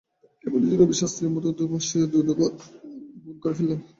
এমনই যে, রবি শাস্ত্রীর মতো দুঁদে ভাষ্যকারও দু-দুবার ভুল করে ফেললেন।